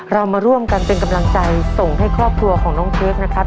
เรามาร่วมกันเป็นกำลังใจส่งให้ครอบครัวของน้องเค้กนะครับ